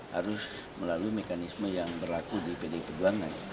harus melalui mekanisme yang berlaku di pdi perjuangan